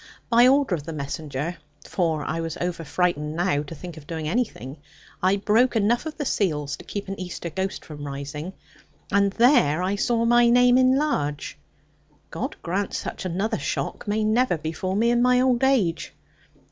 By order of the messenger (for I was over frightened now to think of doing anything), I broke enough of seals to keep an Easter ghost from rising; and there I saw my name in large; God grant such another shock may never befall me in my old age.